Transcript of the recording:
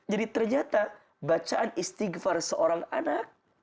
jadi ternyata bacaan istighfar seorang anak